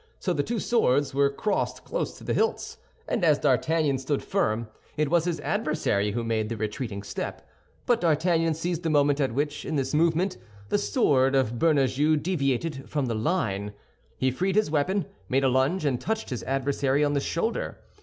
So the two swords were crossed close to the hilts, and as D'Artagnan stood firm, it was his adversary who made the retreating step; but D'Artagnan seized the moment at which, in this movement, the sword of Bernajoux deviated from the line. He freed his weapon, made a lunge, and touched his adversary on the shoulder.